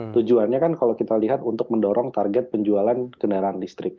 tujuannya kan kalau kita lihat untuk mendorong target penjualan kendaraan listrik